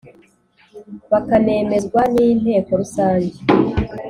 bakanemezwa n Inteko Rusange